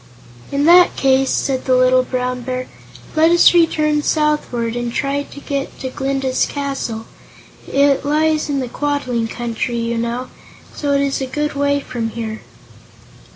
"In that case," said the Little Brown Bear, "let us return southward and try to get to Glinda's castle. It lies in the Quadling Country, you know, so it is a good way from here."